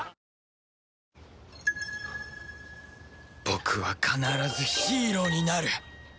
僕は必ずヒーローになる